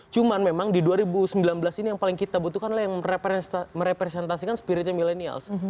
cuman memang di dua ribu sembilan belas ini yang paling kita butuhkan lah yang merepresentasikan spiritnya milenials